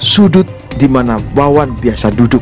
sudut dimana wawan biasa duduk